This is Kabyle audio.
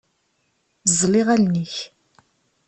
Ẓẓel iɣallen-ik.